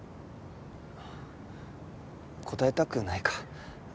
答えたくないか。